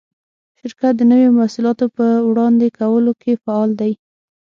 شرکت د نوو محصولاتو په وړاندې کولو کې فعال دی.